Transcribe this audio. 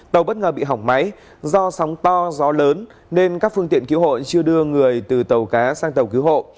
tàu bất ngờ bị hỏng máy do sóng to gió lớn nên các phương tiện cứu hộ chưa đưa người từ tàu cá sang tàu cứu hộ